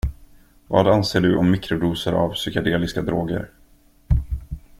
Vad anser du om mikrodoser av psykedeliska droger?